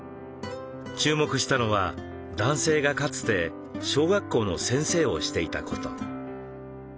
注目したのは男性がかつて小学校の先生をしていたこと。